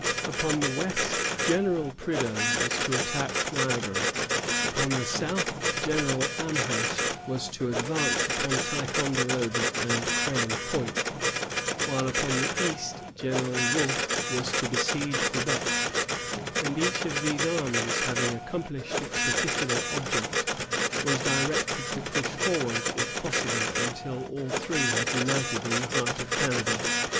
Upon the west, General Prideaux was to attack Niagara; upon the south, General Amherst was to advance upon Ticonderoga and Crown Point; while upon the east, General Wolfe was to besiege Quebec; and each of these armies, having accomplished its particular object, was directed to push forward, if possible, until all three had united in the heart of Canada.